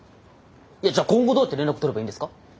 いやじゃあ今後どうやって連絡取ればいいんですか？